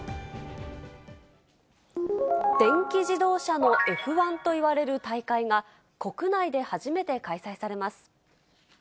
電気自動車のＦ１といわれる大会が国内で初めて開催されます。